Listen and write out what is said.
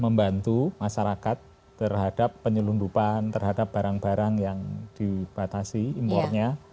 membantu masyarakat terhadap penyelundupan terhadap barang barang yang dibatasi impornya